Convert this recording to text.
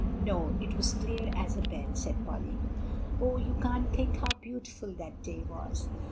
"No; it was clear as a bell," said Polly. "Oh, you can't think how beautiful that day was!